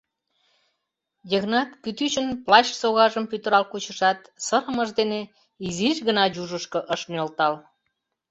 — Йыгнат кӱтӱчын плащ согажым пӱтырал кучышат, сырымыж дене изиш гына южышко ыш нӧлтал.